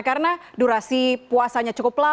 karena durasi puasanya cukup pelatih